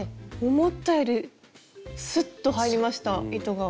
思ったよりスッと入りました糸が。